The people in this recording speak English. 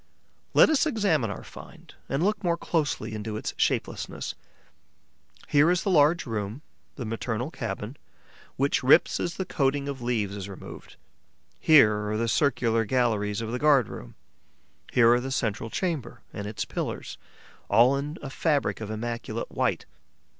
Let us examine our find and look more closely into its shapelessness. Here is the large room, the maternal cabin, which rips as the coating of leaves is removed; here are the circular galleries of the guard room; here are the central chamber and its pillars, all in a fabric of immaculate white.